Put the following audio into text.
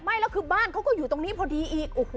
ไม่แล้วคือบ้านเขาก็อยู่ตรงนี้พอดีอีก